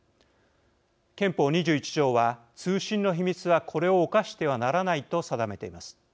憲法２１条は通信の秘密はこれを侵してはならないと定めています。